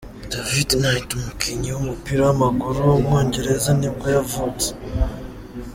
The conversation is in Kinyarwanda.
David Knight, umukinnyi w’umupira w’amaguru w’umwongereza nibwo yavutse.